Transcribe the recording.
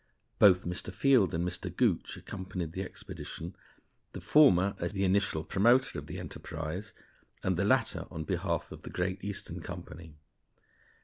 Both Mr. Field and Mr. Gooch accompanied the expedition, the former as the initial promoter of the enterprise, and the latter on behalf of the Great Eastern Company.